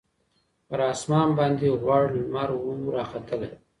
پر اسمان باندي غوړ لمر وو راختلی